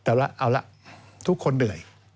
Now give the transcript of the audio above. เอาละทุกคนเหนื่อย